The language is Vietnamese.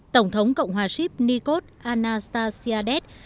tổng thống cộng hòa sip nikos anastasiadis